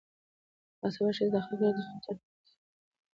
باسواده ښځې د اخلاقي ارزښتونو ساتنه کوي.